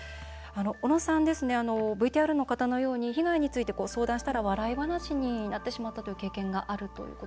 おのさん、ＶＴＲの方のように被害について相談したら笑い話になってしまったという経験があるということですね。